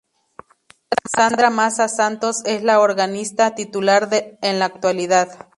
Sandra Massa Santos es la organista titular en la actualidad.